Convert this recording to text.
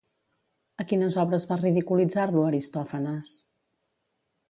A quines obres va ridiculitzar-lo Aristòfanes?